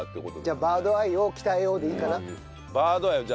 じゃあバードアイを鍛えようでいいかな？